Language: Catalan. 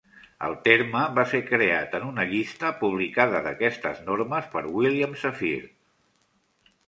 El terme va ser creat en una llista publicada d'aquestes normes per William Safire.